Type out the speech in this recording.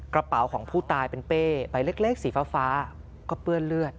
กระเป๋าของผู้ตายเป็นเป้ใบเล็กสีฟ้าก็เปื้อนเลือด